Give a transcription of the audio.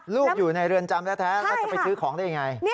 อยู่ในเรือนจำแท้แล้วจะไปซื้อของได้ยังไง